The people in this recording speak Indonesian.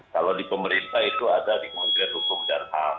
kalau di pemerintah itu ada di kementerian hukum dan ham